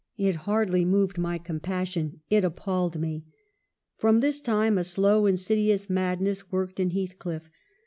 It hardly moved my compassion, it appalled me." From this time a slow, insidious madness worked in Heathcliff.